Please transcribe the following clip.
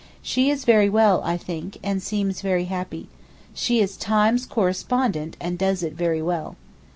She is very well, I think, and seems very happy. She is Times correspondent and does it very well.